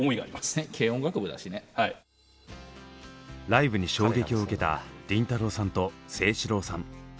ライブに衝撃を受けた倫太郎さんと聖志郎さん。